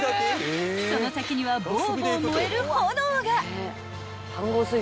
［その先にはぼうぼう燃える炎が］